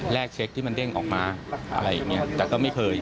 เช็คที่มันเด้งออกมาอะไรอย่างนี้แต่ก็ไม่เคย